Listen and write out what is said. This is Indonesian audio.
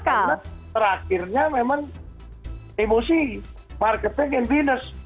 karena terakhirnya memang emosi marketing and business